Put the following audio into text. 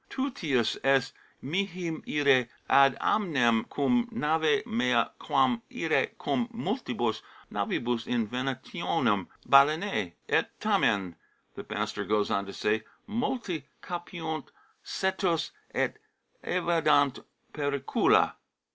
Tutius est mihi ire ad amnem cum nave mea quam ire cum multibus navibus in venationem balaenae." " Et tamen," the master goes on to say, "multi capiunt cetos et evadunt pericula."